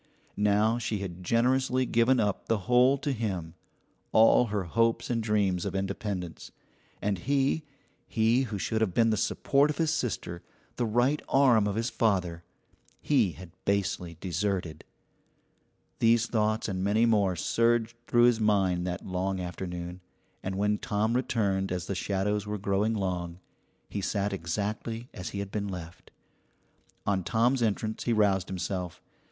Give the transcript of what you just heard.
Now she had generously given up the whole to him, all her hopes and dreams of independence; and he he who should have been the support of his sister, the right arm of his father he had basely deserted. These thoughts and many more surged through his mind that long afternoon, and when Tom returned as the shadows were growing long, he sat exactly as he had been left. On Tom's entrance he roused himself.